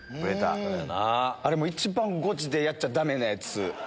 あれもう、一番ゴチでやっちゃだめなやつ。